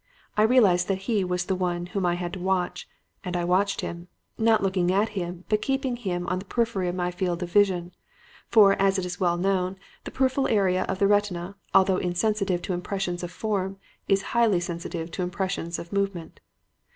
I realized that he was the one whom I had to watch, and I watched him; not looking at him, but keeping him on the periphery of my field of vision. For, as is well known, the peripheral area of the retina, although insensitive to impressions of form, is highly sensitive to impressions of movement.